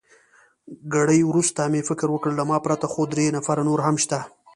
ګړی وروسته مې فکر وکړ، له ما پرته خو درې نفره نور هم شته.